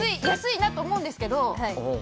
安いなと思うんですけど。